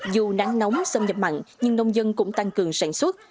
dù nắng nóng xâm nhập mặn nhưng nông dân cũng tăng cường sản xuất